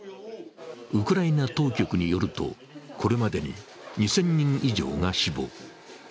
ウクライナ当局によるとこれまでに２０００人以上が死亡。